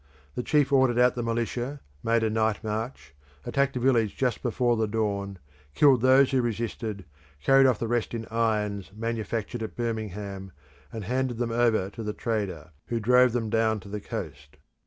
The chief ordered out the militia, made a night march, attacked a village just before the dawn, killed those who resisted, carried off the rest in irons manufactured at Birmingham, and handed them over to the trader; who drove them down to the coast.